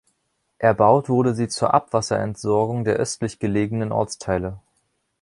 Erbaut wurde sie zur Abwasserentsorgung der östlich gelegenen Ortsteile.